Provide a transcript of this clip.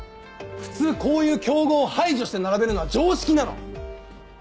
普通こういう競合を排除して並べるのは常識なの！